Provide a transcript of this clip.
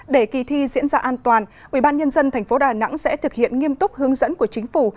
để kỳ thi diễn ra an toàn ubnd tp đà nẵng sẽ thực hiện nghiêm túc hướng dẫn của chính phủ